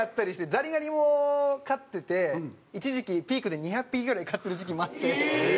ザリガニも飼ってて一時期ピークで２００匹ぐらい飼ってる時期もあって。